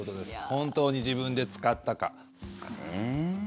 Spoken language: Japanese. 本当に自分で使ったか。